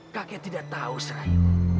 kakek tidak tahu serayu